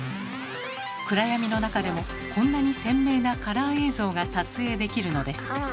暗闇の中でもこんなに鮮明なカラー映像が撮影できるのです。